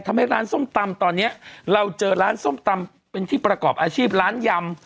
ทำให้ร้านส้มตำตอนนี้เราเจอร้านส้มตำเป็นที่ประกอบอาชีพร้านยำ